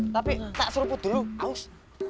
tapi tak seruput dulu haus